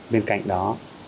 bên cạnh đó